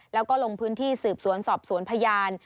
แล้วก็ลงพื้นที่สืบสวนสอบสวนพยาน